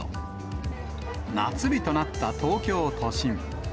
夏日となった東京都心。